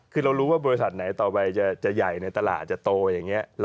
คือเรารู้ว่าบริษัทไหนต่อไปจะใหญ่ในตลาดอาจจะโตอย่างนี้